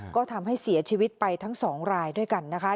ก็ทำให้เสียชีวิตไปทั้ง๒รายด้วยกันนะคะ